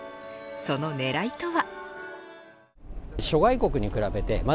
その狙いとは。